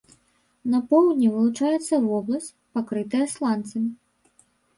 На поўдні вылучаецца вобласць, пакрытая сланцамі.